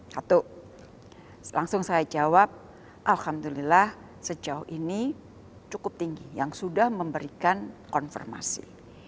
satu langsung saya jawab alhamdulillah sejauh ini cukup tinggi yang sudah memberikan konfirmasi